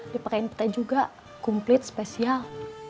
dipakein petai juga kumplit spesial